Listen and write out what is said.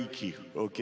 ＯＫ？